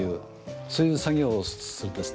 そういう作業をするんですね。